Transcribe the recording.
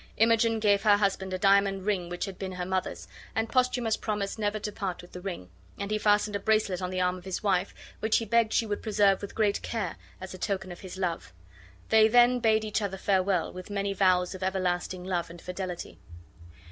Imogen gave her husband a diamond ring which had been her mother's, and Posthumus promised never to part with the ring; and he fastened a bracelet on the arm of his wife, which he begged she would preserve with great care, as a token of his love; they then bade each other farewell, with many vows of everlasting love and fidelity.